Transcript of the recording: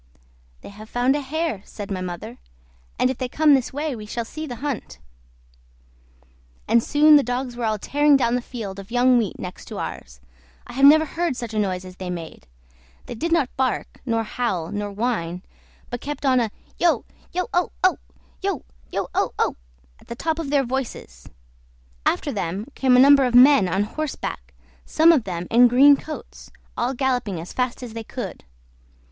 "They have found a hare," said my mother, "and if they come this way we shall see the hunt." And soon the dogs were all tearing down the field of young wheat next to ours. I never heard such a noise as they made. They did not bark, nor howl, nor whine, but kept on a "yo! yo, o, o! yo! yo, o, o!" at the top of their voices. After them came a number of men on horseback, some of them in green coats, all galloping as fast as they could.